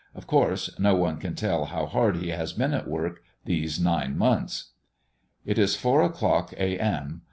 Of course, no one can tell how hard he has been at work these nine months. It is four o'clock, A.M.